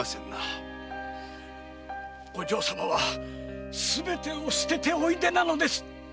お嬢様はすべてを捨てておいでなのです。